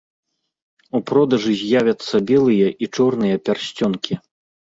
У продажы з'явяцца белыя і чорныя пярсцёнкі.